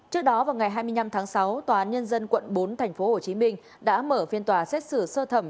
trước đó vào ngày hai mươi năm tháng sáu tòa án nhân dân quận bốn tp hồ chí minh đã mở phiên tòa xét xử sơ thẩm